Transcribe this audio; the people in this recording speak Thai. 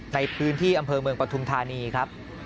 ในพื้นที่อำเภอเมืองปฐุมธานีครับ